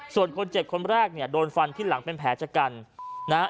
ส่วนคนเจ็บคนแรกเนี่ยโดนฟันที่หลังเป็นแผลชะกันนะฮะ